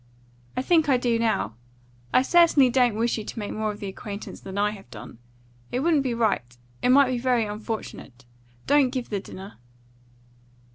I think I do now. I certainly don't wish you to make more of the acquaintance than I have done. It wouldn't be right; it might be very unfortunate. Don't give the dinner!"